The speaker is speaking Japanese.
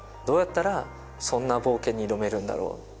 どうやったらそんな冒険に挑めるんだろう。